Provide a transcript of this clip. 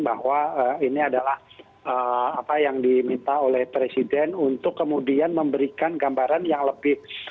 bahwa ini adalah apa yang diminta oleh presiden untuk kemudian memberikan gambaran yang lebih